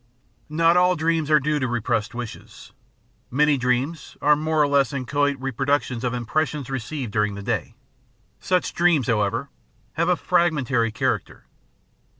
Not all dreams are due to repressed wishes. Many dreams are more or less inchoate reproductions of impressions received during the day ; such dreams, however, have a fragmentary char acter.